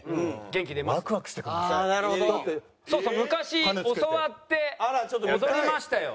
そうそう昔教わって踊りましたよ。